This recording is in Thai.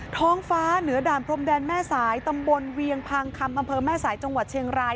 ท้องฟ้าเหนือด่านพรมแดนแม่สายตำบลเวียงพางคำอำเภอแม่สายจังหวัดเชียงราย